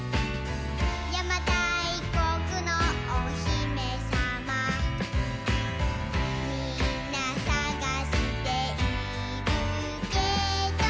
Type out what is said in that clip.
「やまたいこくのおひめさま」「みんなさがしているけど」